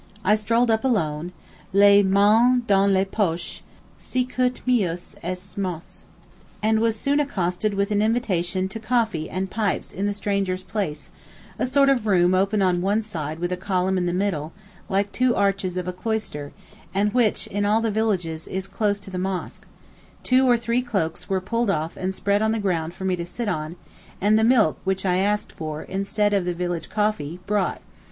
I strolled up alone, les mains dans les poches, 'sicut meus est mos:' and was soon accosted with an invitation to coffee and pipes in the strangers' place, a sort of room open on one side with a column in the middle, like two arches of a cloister, and which in all the villages is close to the mosque: two or three cloaks were pulled off and spread on the ground for me to sit on, and the milk which I asked for, instead of the village coffee, brought.